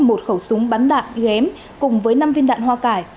một khẩu súng bắn đạn ghém cùng với năm viên đạn hoa cải